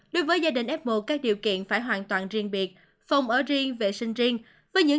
đối với gia đình f một các điều kiện phải hoàn toàn riêng biệt phòng ở riêng vệ sinh riêng với những